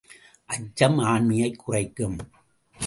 அச்சம் ஆண்மையைக் குறைக்கும்.